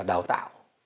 về đào tạo